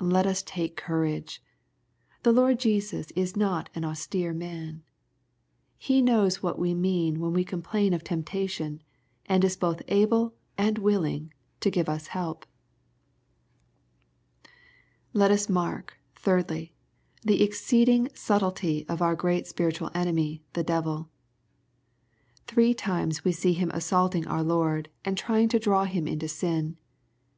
Let us take courage. The Lord Jesus is not an ^^austere man.'' He knows what we mean when we complain of tem^ tation, and is both able and willing to give us help. Let us mark^ thirdly, the exceeding subtlety of our great spiritual enemyj the devil. Three times we see him assaulting our Lord, and trying to draw Him into sin.